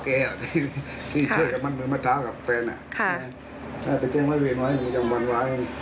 แล้วทราบก็ตัวแจ้งบอกให้น้อง